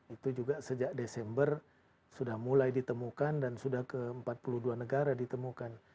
itu juga sejak desember sudah mulai ditemukan dan sudah ke empat puluh dua negara ditemukan